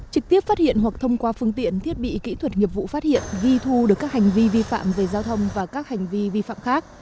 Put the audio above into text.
trực tiếp phát hiện hoặc thông qua phương tiện thiết bị kỹ thuật nghiệp vụ phát hiện ghi thu được các hành vi vi phạm về giao thông và các hành vi vi phạm khác